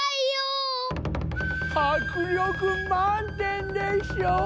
はくりょくまんてんでしょ！